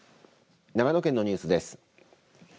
長野県のニュースです。